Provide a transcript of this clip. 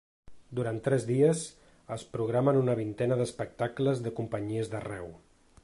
Durant tres dies, es programen una vintena d’espectacles de companyies d’arreu.